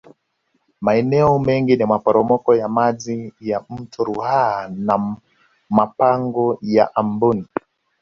Maeneo mengine ni maporomoko ya Maji ya Mto Ruaha na Mapango ya Amboni